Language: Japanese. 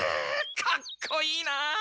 かっこいいな！